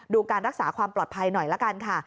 การรักษาความปลอดภัยหน่อยละกันค่ะ